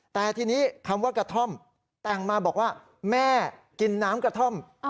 แต่ทีนี้คำว่ากระท่อมแต่งมาบอกว่าแม่กินน้ำกระท่อม